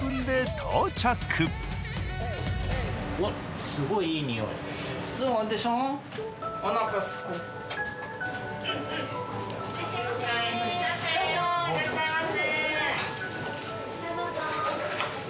どうぞいらっしゃいませ。